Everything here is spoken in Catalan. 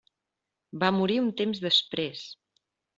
Va morir un temps després.